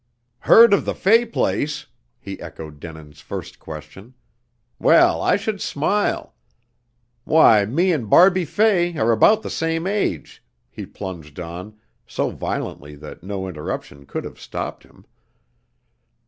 "Heard of the Fay place?" he echoed Denin's first question. "Well, I should smile! Why, me and Barbie Fay are about the same age," he plunged on, so violently that no interruption could have stopped him.